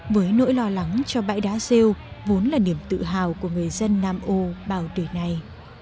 với nỗi lo lắng cho bãi đá rêu vốn là niềm tự hào của người dân nam ô bao đời này